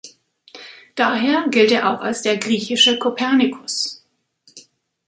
Daher gilt er auch als der „griechische Kopernikus“.